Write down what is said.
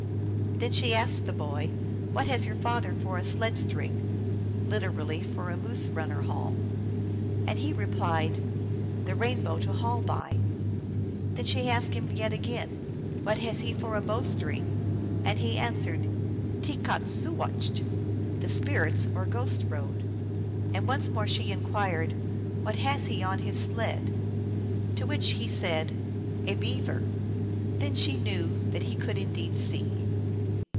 Then she asked the boy, What has your father for a sled string? (literally for a moose runner haul). And he replied, The rainbow to haul by. Then she asked him yet again, * "What has he for a bow string ? And he answered, * Ke taksoo wowcht The Spirits or Ghosts Road. And once more she inquired, What has he on his sled ? To which he said, * A beaver. Then she knew that he could indeed see."